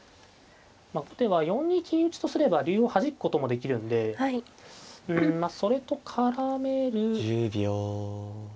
まあ後手は４二金打ちとすれば竜をはじくこともできるんでうんまあそれと絡めるうん考え方もありますね。